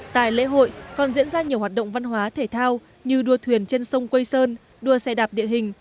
tại lễ hội còn diễn ra nhiều hoạt động văn hóa thể thao như đua thuyền trên sông quây sơn đua xe đạp địa hình